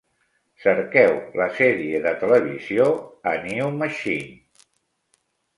Cerqueu la sèrie de televisió "A New Machine".